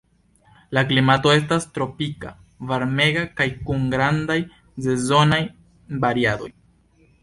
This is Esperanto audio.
La klimato estas tropika, varmega kaj kun grandaj sezonaj variadoj.